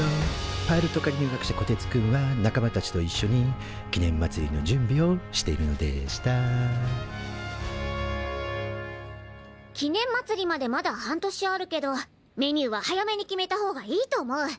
パイロット科に入学したこてつくんは仲間たちといっしょに記念まつりの準備をしているのでした記念まつりまでまだ半年あるけどメニューは早めに決めたほうがいいと思う。